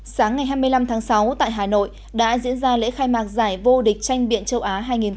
sáng ngày hai mươi năm tháng sáu tại hà nội đã diễn ra lễ khai mạc giải vô địch tranh biện châu á hai nghìn một mươi chín